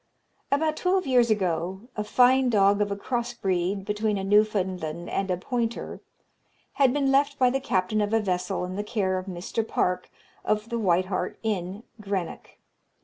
About twelve years ago a fine dog of a cross breed, between a Newfoundland and a pointer, had been left by the captain of a vessel in the care of Mr. Park, of the White Hart Inn, Greenock.